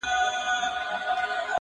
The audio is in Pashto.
تقاضه د ژوندون څه وه